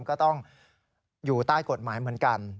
ก็ต้องอยู่ใต้กฎหมายเหมือนกัน